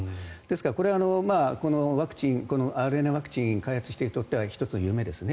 これはこのＲＮＡワクチンを開発している人にとっては１つ、夢ですね。